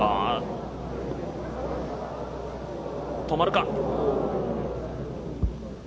止まるか。